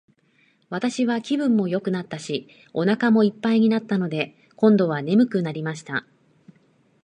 私は気分もよくなったし、お腹も一ぱいだったので、今度は睡くなりました。